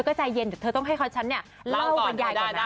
เธอก็ใจเย็นเดี๋ยวเธอต้องให้ฉันเล่าบรรยายก่อนนะ